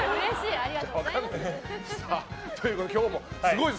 ありがとうございます。